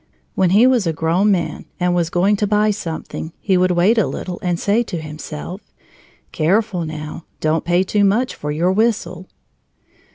When he was a grown man and was going to buy something, he would wait a little and say to himself: "Careful, now don't pay too much for your whistle!"